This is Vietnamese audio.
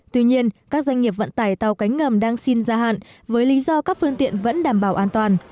tuy nhiên các doanh nghiệp vận tải tàu cánh ngầm đang xin gia hạn với lý do các phương tiện vẫn đảm bảo an toàn